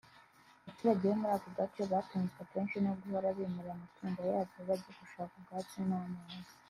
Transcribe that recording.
Abaturage bo muri ako gace batunzwe akenshi no guhora bimura amatungo yabo bajya gushaka ubwatsi n’amazi